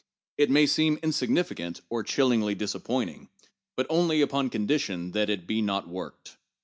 It may seem insignificant, or chillingly disappointing, but only upon condition that it be not worked.